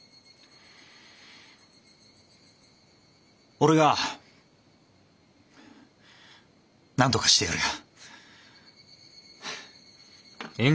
俺がなんとかしてやるよ。